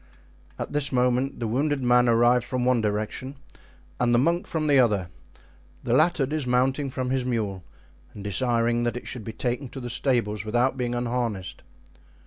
At this moment the wounded man arrived from one direction and the monk from the other, the latter dismounting from his mule and desiring that it should be taken to the stables without being unharnessed.